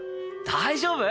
大丈夫？